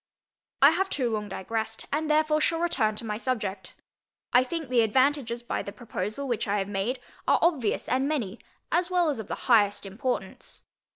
I have too long digressed, and therefore shall return to my subject. I think the advantages by the proposal which I have made are obvious and many, as well as of the highest importance.